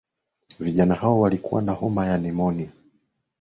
vijana hao walikuwa na homa ya pneumonia